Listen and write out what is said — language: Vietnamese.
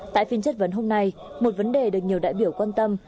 tại phiên chất vấn hôm nay một vấn đề được nhiều đại biểu quan tâm